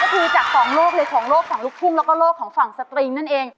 ก็คือจากสองโลกเลยของโลกฝั่งลูกทุ่งแล้วก็โลกของฝั่งสตริงนั่นเอง